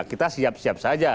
kita siap siap saja